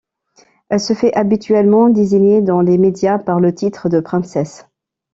Elle se fait habituellement désigner dans les médias par le titre de princesse.